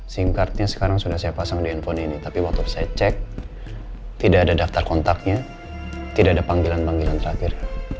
sim cardnya sekarang sudah saya pasang di handphone ini tapi waktu saya cek tidak ada daftar kontaknya tidak ada panggilan panggilan terakhir